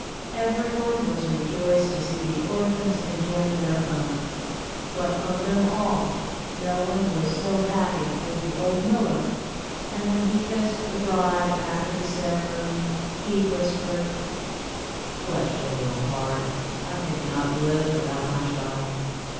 Every one was rejoiced to see the orphans enjoying their own but of them all no one was so happy as the old miller, and when he kissed the bride after the ceremony, he whispered, "bless your little heart, I could not live without my child."